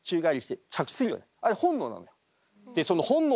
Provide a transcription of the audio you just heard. あれ本能なの。